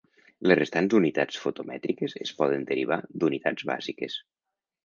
Les restants unitats fotomètriques es poden derivar d'unitats bàsiques.